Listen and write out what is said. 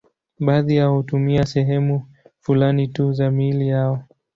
Baadhi yao hutumia sehemu fulani tu za miili yao.